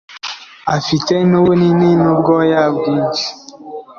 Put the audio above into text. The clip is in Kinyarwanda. afite n'ubunini n'ubwoya bwinshi